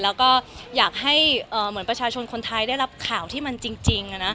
แล้วก็อยากให้เหมือนประชาชนคนไทยได้รับข่าวที่มันจริง